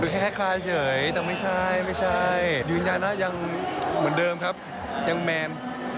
แค่คลาเฉยแต่ไม่ใช่ยืนยานะอย่างเหมือนเดิมครับยังแมน